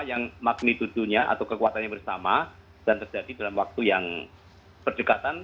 yang magnitudenya atau kekuatannya bersama dan terjadi dalam waktu yang berdekatan